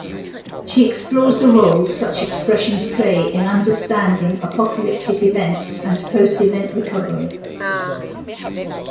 She explores the role such expressions play in understanding apocalyptic events and post-event recovery.